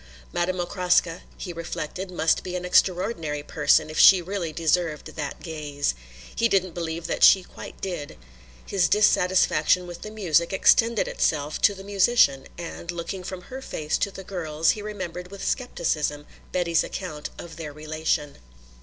Madame Okraska, he reflected, must be an extraordinary person if she really deserved that gaze. He didn't believe that she quite did. His dissatisfaction with the music extended itself to the musician and, looking from her face to the girl's, he remembered with scepticism Betty's account of their relation.